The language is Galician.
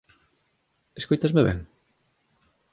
Escóitasme ben?